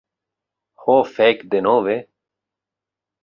Ho fek' denove!